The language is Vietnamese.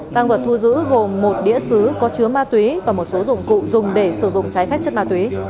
tăng vật thu giữ gồm một đĩa xứ có chứa ma túy và một số dụng cụ dùng để sử dụng trái phép chất ma túy